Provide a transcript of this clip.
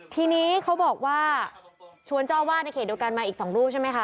ทีนี้เขาบอกว่าชวนเจ้าอาวาสในเขตเดียวกันมาอีก๒รูปใช่ไหมคะ